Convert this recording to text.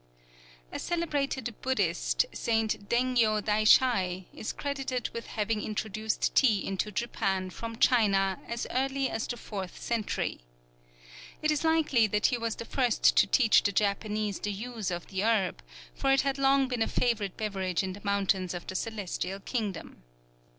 A celebrated Buddhist, St. Dengyo Daishai, is credited with having introduced tea into Japan from China as early as the fourth century. It is likely that he was the first to teach the Japanese the use of the herb, for it had long been a favorite beverage in the mountains of the Celestial Kingdom.